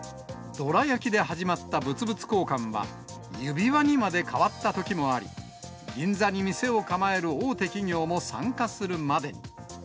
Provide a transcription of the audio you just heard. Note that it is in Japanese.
どら焼きで始まった物々交換は、指輪にまで変わったときもあり、銀座に店を構える大手企業も参加するまでに。